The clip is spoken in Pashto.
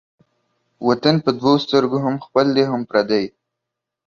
وطن په دوو سترگو هم خپل دى هم پردى.